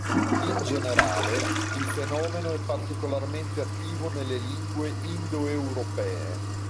In generale, il fenomeno è particolarmente attivo nelle lingue indoeuropee.